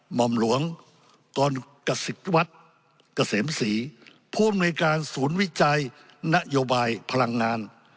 หม่อมหลวงกรกษิตวัฒน์เกษมศรีผู้อำนวยการศูนย์วิจัยนโยบายพลังงาน